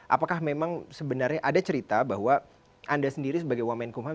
apakah memang sebenarnya ada cerita bahwa anda sendiri sebagai wamen kumham